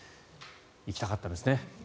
行きたかったんですね。